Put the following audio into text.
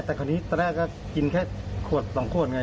แต่คอนงี้ตอนแรกกินแค่๒ขวดไง